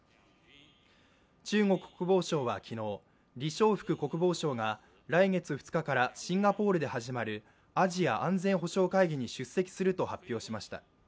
中国国防省は昨日、李尚福国防相が来月２日からシンガポールで始まるアジア安全保障会議に出席すると発表しました。